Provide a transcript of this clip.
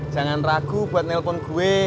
jangan ragu buat nelpon gue